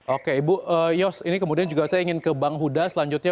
oke ibu yos ini kemudian juga saya ingin ke bang huda selanjutnya